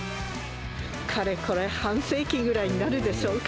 かれこれ半世紀ぐらいになるでしょうか。